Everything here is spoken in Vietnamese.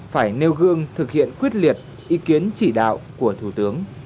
phải nêu gương thực hiện quyết liệt ý kiến chỉ đạo của thủ tướng